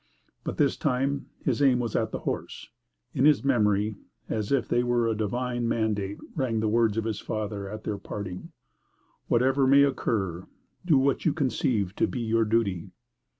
But this time his aim was at the horse. In his memory, as if they were a divine mandate, rang the words of his father at their parting: "Whatever may occur, do what you conceive to be your duty."